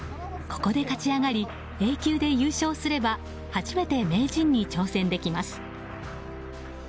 ここで勝ち上がりＡ級で優勝すれば初めて名人に挑戦できます。